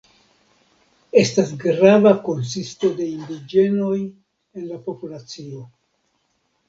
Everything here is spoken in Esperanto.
Estas grava konsisto de indiĝenoj en la populacio.